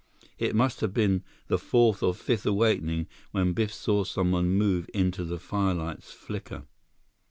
It must have been the fourth or fifth awakening, when Biff saw someone move into the firelight's flicker.